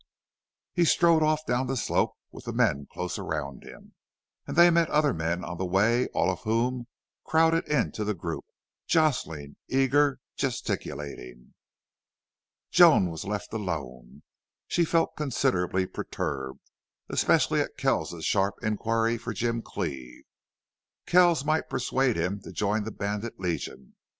He strode off down the slope with the men close around him, and they met other men on the way, all of whom crowded into the group, jostling, eager, gesticulating. Joan was left alone. She felt considerably perturbed, especially at Kells's sharp inquiry for Jim Cleve. Kells might persuade him to join that bandit legion.